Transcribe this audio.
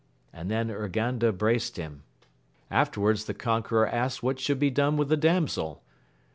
and then Urganda embraced him. Afterwards the conqueror asked what should be done with the damsel?